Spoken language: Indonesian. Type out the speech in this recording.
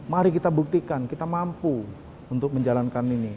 mari kita buktikan kita mampu untuk menjalankan ini